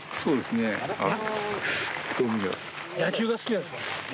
野球が好きなんですか？